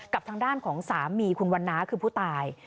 กับทางด้านของสามีคุณวันน้าคือผู้ตาย